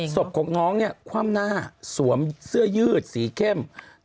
ศพของน้องเนี่ยคว่ำหน้าสวมเสื้อยืดสีเข้ม